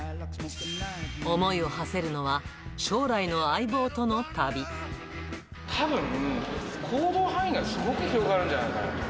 思いをはせるのは、たぶん、行動範囲がすごく広がるんじゃないかな。